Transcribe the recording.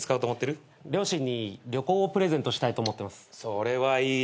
それはいいね。